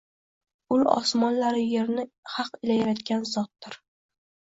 «U, osmonlar-u yerni haq ila yaratgan Zotdir»